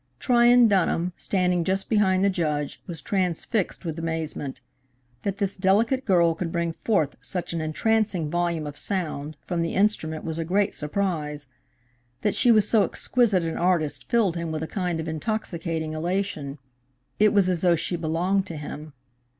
Tryon Dunham, standing just behind the Judge, was transfixed with amazement. That this delicate girl could bring forth such an entrancing volume of sound from the instrument was a great surprise. That she was so exquisite an artist filled him with a kind of intoxicating elation it was as though she belonged to him.